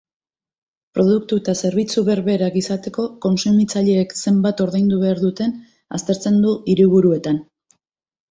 Produktu eta zerbitzu berberak izateko kontsumitzaileek zenbat ordaindu behar duten aztertzen du hiriburuetan.